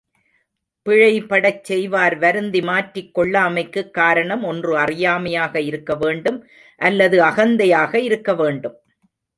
பிழைபடச் செய்வார் வருந்தி மாற்றிக் கொள்ளாமைக்குக் காரணம், ஒன்று அறியாமையாக இருக்கவேண்டும் அல்லது அகந்தையாக இருக்க வேண்டும்.